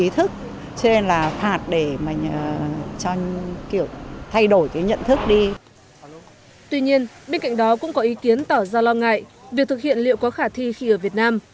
tuy nhiên bên cạnh đó cũng có ý kiến tỏ ra lo ngại việc thực hiện liệu có khả thi khi ở việt nam